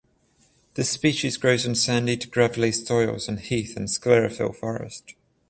This species grows in sandy to gravelly soils in heath and sclerophyll forest.